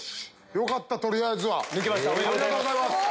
よかった取りあえずは。おめでとうございます。